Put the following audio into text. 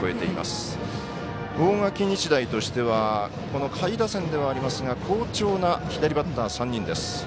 大垣日大としては下位打線ではありますが好調な左バッター３人です。